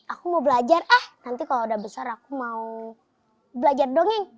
aku mau belajar ah nanti kalau udah besar aku mau belajar dongeng